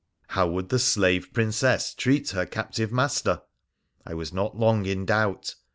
How would the slave Princess treat her captive master ? I was not long in doubt.